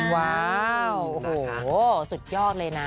ว้าวโอ้โหสุดยอดเลยนะ